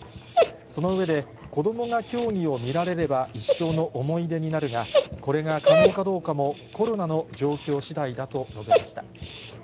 その上で、子どもが競技を見られれば一生の思い出になるが、これが可能かどうかもコロナの状況しだいだと述べました。